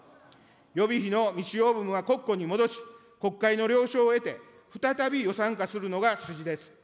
予備費の未使用分は国庫に戻し、国会の了承を得て再び予算化するのが筋です。